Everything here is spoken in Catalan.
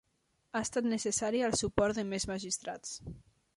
Ha estat necessari el suport de més magistrats.